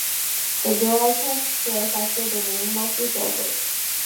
The draw takes place after the ring match is over.